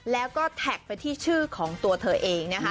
แล้วก็แท็กไปที่ชื่อของตัวเธอเองนะคะ